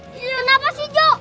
kenapa sih jho